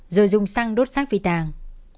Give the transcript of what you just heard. rồi dùng xăng đốt sắc vì tàng